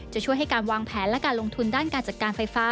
จะช่วยให้การวางแผนและการลงทุนด้านการจัดการไฟฟ้า